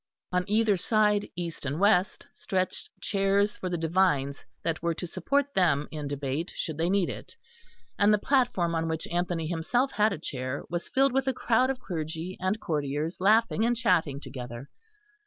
On either side, east and west, stretched chairs for the divines that were to support them in debate, should they need it; and the platform on which Anthony himself had a chair was filled with a crowd of clergy and courtiers laughing and chatting together.